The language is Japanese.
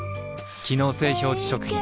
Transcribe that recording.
機能性表示食品